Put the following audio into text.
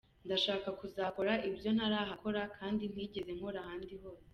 Ndashaka kuzakora ibyo ntarahakora kandi ntigeze nkora ahandi hose.